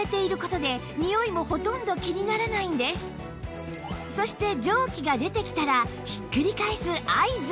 そうそして蒸気が出てきたらひっくり返す合図